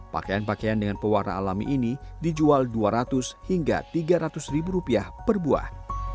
pakaian pakaian dengan pewarna alami ini dijual dua ratus hingga tiga ratus ribu rupiah per buah